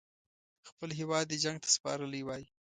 خپل هیواد یې جنګ ته سپارلی وای.